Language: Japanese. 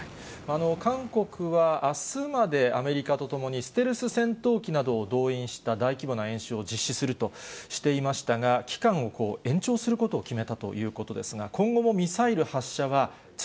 韓国はあすまでアメリカと共に、ステルス戦闘機などを動員した大規模な演習を実施するとしていましたが、期間を延長することを決めたということですが、今後もミサイル発